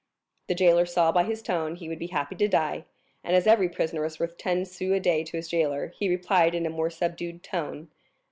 The jailer saw by his tone he would be happy to die; and as every prisoner is worth ten sous a day to his jailer, he replied in a more subdued tone.